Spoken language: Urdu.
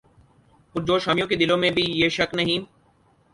پرجوش حامیوں کے دلوں میں بھی یہ شک نہیں